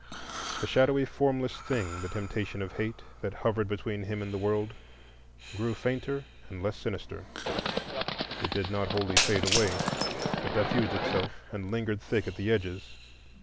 The shadowy, formless thing—the temptation of Hate, that hovered between him and the world—grew fainter and less sinister. It did not wholly fade away, but diffused itself and lingered thick at the edges.